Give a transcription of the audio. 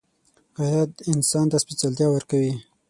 غیرت انسان ته سپېڅلتیا ورکوي